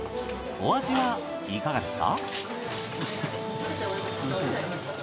お味はいかがですか？